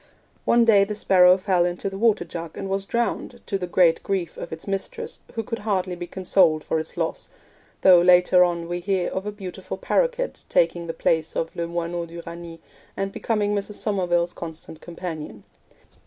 One day the sparrow fell into the water jug and was drowned, to the great grief of its mistress who could hardly be consoled for its loss, though later on we hear of a beautiful paroquet taking the place of le moineau d'Uranie, and becoming Mrs. Somerville's constant companion.